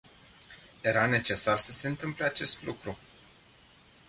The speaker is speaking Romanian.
Era necesar să se întâmple acest lucru?